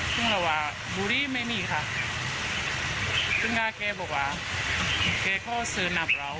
ซึ่งก็ว่าบุรีไม่มีค่ะซึ่งก็แกบอกว่าแกก็เสิร์ฟนับเหลา